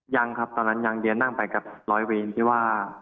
ยังครับตอนนั้นยังเดียนั่งไปกับร้อยเวรที่ว่า